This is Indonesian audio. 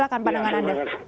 apakah pandangan anda